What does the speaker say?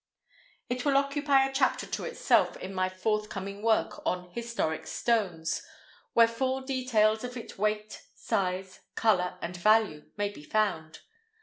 It will occupy a chapter to itself in my forthcoming work on "Historic Stones," where full details of its weight, size, color, and value may be found.